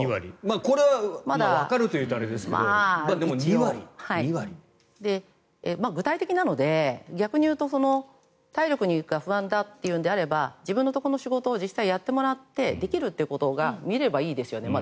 これはわかるというとあれですけど具体的なので逆に言うと体力に不安がって言うのであれば自分のところの仕事を実際やってもらってできるということが見れればいいですよね。